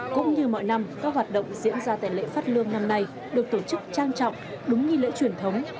cũng như mọi năm các hoạt động diễn ra tại lễ phát lương năm nay được tổ chức trang trọng đúng nghi lễ truyền thống